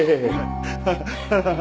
ハハハハハ。